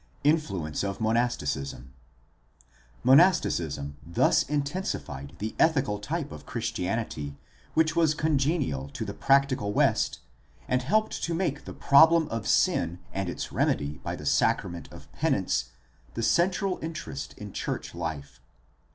Influence of monasticism. — Monasticism thus intensified the ethical type of Christianity which was congenial to the practical West and helped to make the problem of sin and its remedy by the sacrament of penance the central interest in church life.